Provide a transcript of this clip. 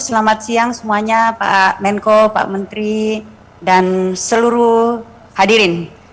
selamat siang semuanya pak menko pak menteri dan seluruh hadirin